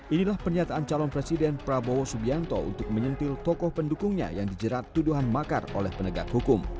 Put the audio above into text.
inilah pernyataan calon presiden prabowo subianto untuk menyentil tokoh pendukungnya yang dijerat tuduhan makar oleh penegak hukum